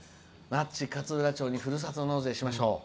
那智勝浦町にふるさと納税しましょう。